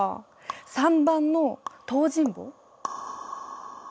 ３番の東尋坊？